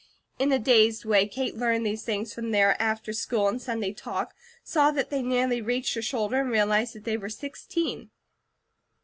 In a dazed way, Kate learned these things from their after school and Sunday talk, saw that they nearly reached her shoulder, and realized that they were sixteen.